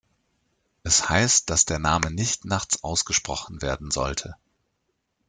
Es heißt, dass der Name nicht nachts ausgesprochen werden sollte.